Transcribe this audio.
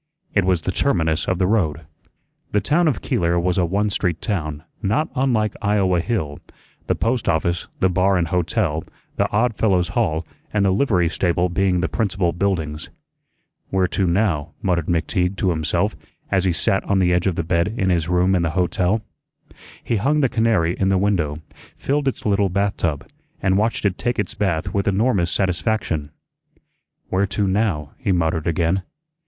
It was the terminus of the road. The town of Keeler was a one street town, not unlike Iowa Hill the post office, the bar and hotel, the Odd Fellows' Hall, and the livery stable being the principal buildings. "Where to now?" muttered McTeague to himself as he sat on the edge of the bed in his room in the hotel. He hung the canary in the window, filled its little bathtub, and watched it take its bath with enormous satisfaction. "Where to now?" he muttered again.